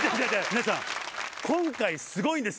皆さん今回すごいんです。